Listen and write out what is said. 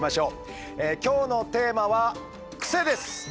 今日のテーマは「クセ」です。